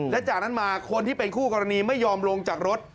และจากนั้นมาคนที่เป็นคู่กรณีไม่ยอมลงจากรถ